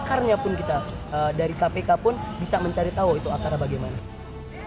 akarnya pun kita dari kpk pun bisa mencari tahu itu akarnya bagaimana